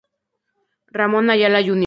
Ramón Ayala Jr.